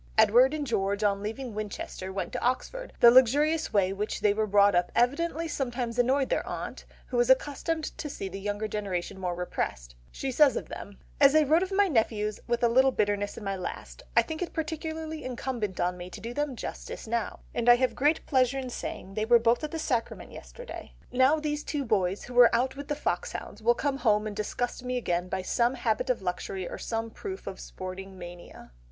Edward and George on leaving Winchester went to Oxford; the luxurious way in which they were brought up evidently sometimes annoyed their aunt, who was accustomed to see the younger generation more repressed; she says of them— "As I wrote of my nephews with a little bitterness in my last, I think it particularly incumbent on me to do them justice now, and I have great pleasure in saying they were both at the Sacrament yesterday; now these two boys, who are out with the foxhounds, will come home and disgust me again by some habit of luxury or some proof of sporting mania."